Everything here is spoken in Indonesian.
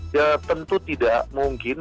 ya tentu tidak mungkin